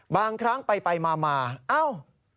บางครั้งไปมาเอ้า